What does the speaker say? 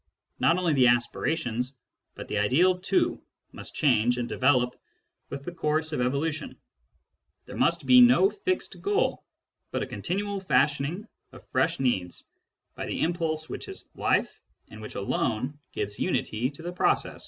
Not only the aspirations, but the ideal too, must change and develop with the course of evolution ; there must be no fixed goal, but a continual fashioning of fresh needs by the impulse which is life and which alone gives unity to the process.